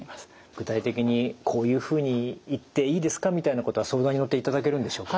具体的にこういうふうに言っていいですかみたいなことは相談に乗っていただけるんでしょうか？